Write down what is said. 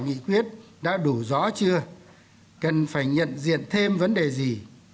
nghị quyết đã đủ rõ chưa cần phải nhận diện thêm vấn đề gì